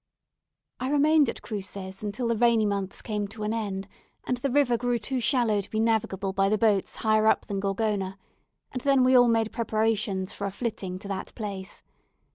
I remained at Cruces until the rainy months came to an end, and the river grew too shallow to be navigable by the boats higher up than Gorgona; and then we all made preparations for a flitting to that place.